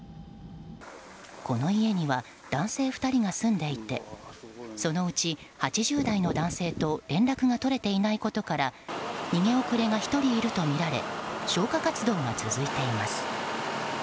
この家には男性２人が住んでいてそのうち８０代の男性と連絡が取れていないことから逃げ遅れが１人にいるとみられ消火活動が続いています。